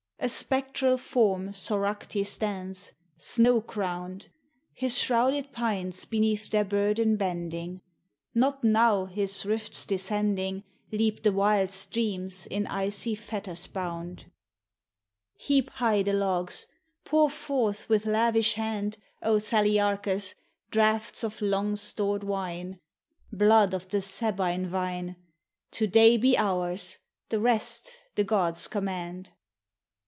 A spectral form Soracle stands, snow crowned, Ilis shrouded pines beneath their burden bending; Not now, his rifts descending, Leap the wild streams, in icy fetters bound. Digitized by Google YOUTH. i!33 Heap high the logs! Pour forth with lavish hand, O Thaliarehus, draughts of long stored wine, Blood of the Sabine vine! Today be ours: the rest the gods command.